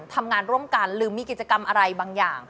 ทำงานร่วมกันหรือมีกิจกรรมอะไรบางอย่าง